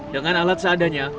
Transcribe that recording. dengan alat seadanya